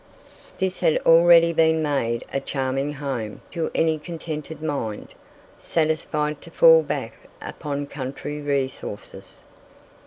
This had already been made a charming home to any contented mind, satisfied to fall back upon country resources.